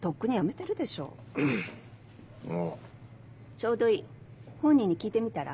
ちょうどいい本人に聞いてみたら？